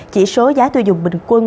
chỉ số giá tiêu dùng bình quân